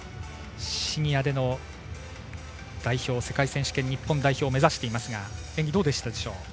シニアでの代表世界選手権日本代表を目指していますが演技、どうでしたか。